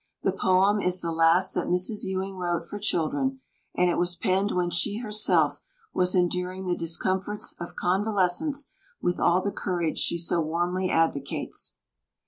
The poem is the last that Mrs. Ewing wrote for children, and it was penned when she herself was enduring the discomforts of convalescence with all the courage she so warmly advocates.